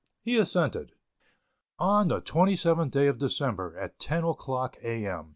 He assented. "On the 27th day of December, at ten o'clock A. M.